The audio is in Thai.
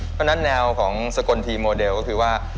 เพราะฉะนั้นแนวของสกลทีโมเดลก็คือว่า